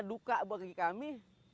duka bagi kami